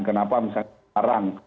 kenapa misalnya sekarang